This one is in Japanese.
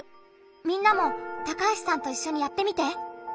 みんなも高橋さんといっしょにやってみて。